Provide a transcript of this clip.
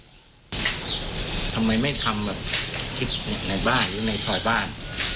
ทำไมไม่ทำแบบที่ในบ้านหรือในซอยบ้าน